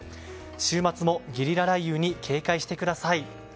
週末もゲリラ雷雨に警戒してください。